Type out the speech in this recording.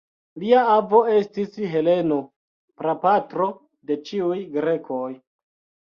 Lia avo estis Heleno, prapatro de ĉiuj grekoj.